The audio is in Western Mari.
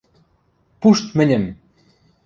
Пушт мӹньӹм!..